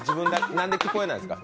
なんで聞こえないんですか。